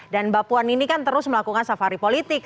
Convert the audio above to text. dan mbak puan ini kan terus melakukan safari politik